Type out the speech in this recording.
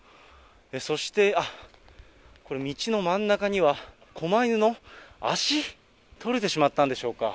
そして、あっ、これ、道の真ん中には、狛犬の足、とれてしまったんでしょうか。